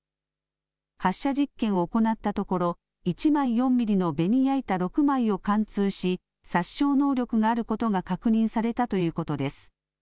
発射実験を行ったところ１枚４ミリのベニヤ板６枚を貫通し殺傷能力があることが確認されたということです。